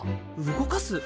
動かす？